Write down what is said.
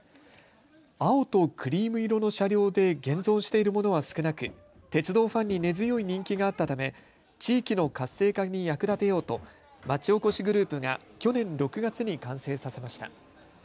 青とクリーム色の車両で現存しているものは少なく鉄道ファンに根強い人気があったため地域の活性化に役立てようと町おこしグループが去年６月に完成させました。